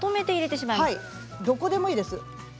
どこでもいいです。